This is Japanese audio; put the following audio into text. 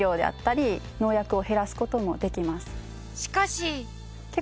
しかし。